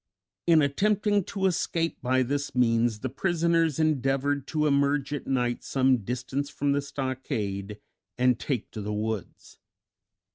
In attempting to escape by this means the prisoners endeavored to emerge at night some distance from the stockade and take to the woods.